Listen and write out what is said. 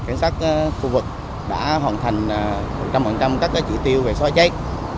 cảnh sát khu vực đã hoàn thành một trăm linh các chỉ tiêu về xóa cháy